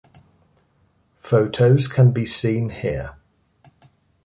Photos can be seen here.